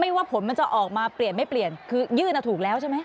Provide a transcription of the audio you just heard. ว่าผลมันจะออกมาเปลี่ยนไม่เปลี่ยนคือยื่นถูกแล้วใช่ไหม